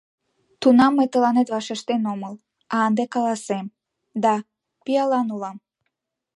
Тунам мый тыланет вашештен омыл, а ынде каласем: да, пиалан улам.